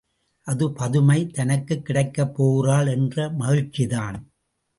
அது பதுமை தனக்குக் கிடைக்கப் போகிறாள் என்ற மகிழ்ச்சிதான்!